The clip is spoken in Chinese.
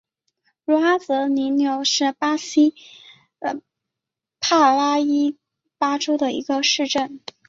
茹阿泽里纽是巴西帕拉伊巴州的一个市镇。